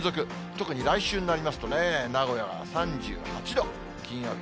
特に来週になりますとね、名古屋は３８度、金曜日。